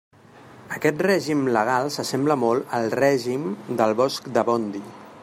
Aquest règim legal s'assembla molt al règim del bosc de Bondy!